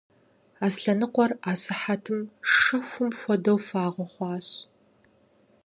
Аслъэнокъуэр асыхьэтым шэхум хуэдэу фагъуэ хъуащ.